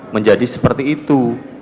menjadi seperti itu